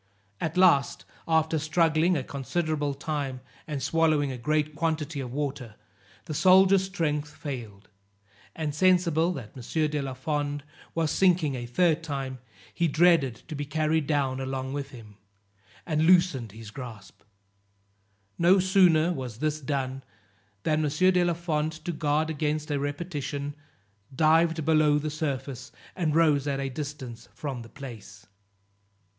At last, after struggling a considerable time, and swallowing a great quantity of water, the soldier's strength failed; and sensible that M. de la Fond was sinking a third time, he dreaded to be carried down along with him, and loosened his grasp, no sooner was this done, than M. de la Fond to guard against a repetition, dived below the surface, and rose at a distance from the place.